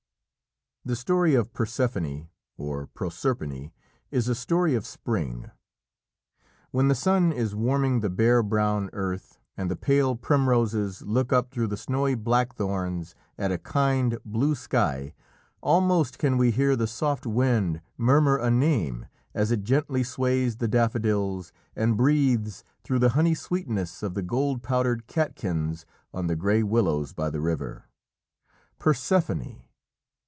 The story of Persephone of Proserpine is a story of spring. When the sun is warming the bare brown earth, and the pale primroses look up through the snowy blackthorns at a kind, blue sky, almost can we hear the soft wind murmur a name as it gently sways the daffodils and breathes through the honey sweetness of the gold powdered catkins on the grey willows by the river "Persephone!